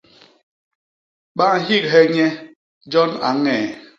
Ba nhighe nye, jon a ñee.